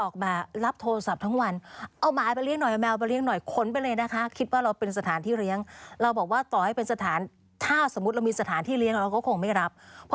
โฆษณาแป๊บเดียวเดี๋ยวมาค่ะ